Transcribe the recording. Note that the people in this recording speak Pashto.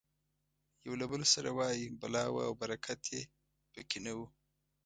یو له بل سره وایي بلا وه او برکت یې پکې نه و.